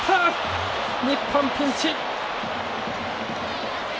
日本、ピンチ！